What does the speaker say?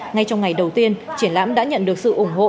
ngay trong ngày đầu tiên triển lãm đã nhận được sự ủng hộ